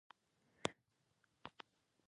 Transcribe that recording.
ان ورته ځیر شو چې دنیوي وسوسې جوتې کړې دي.